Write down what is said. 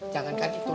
jangan kan itu